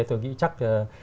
tôi nghĩ chắc